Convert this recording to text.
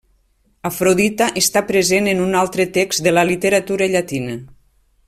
Afrodita està present en un altre text de la literatura llatina.